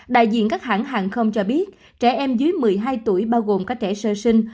đại diện các hãng hàng không cho biết trẻ em dưới một mươi hai tuổi bao gồm các trẻ sơ sinh